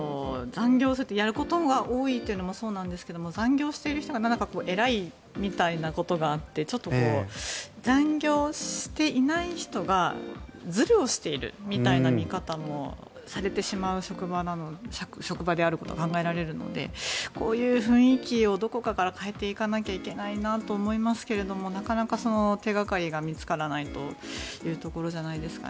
やることが多いというのもそうですが残業している人が偉いみたいなことがあってちょっと残業していない人がずるをしているみたいな見方もされてしまう職場であることが考えられるのでこういう雰囲気をどこかから変えていかないといけないなと思いますがなかなか手掛かりが見つからないというところじゃないですか。